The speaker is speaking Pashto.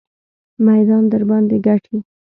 میدان درباندې ګټي.